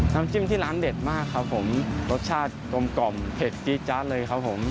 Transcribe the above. น้ำจิ้มที่ร้านเด็ดมากครับผมรสชาติกลมกล่อมเผ็ดจี๊จ๊ะเลยครับผม